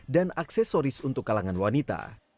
dan aksesoris untuk kalangan wanita